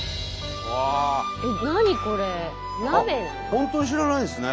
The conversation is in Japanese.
本当に知らないんですね。